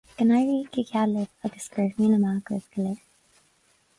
Go n-éirí go geal libh is go raibh míle maith agaibh go léir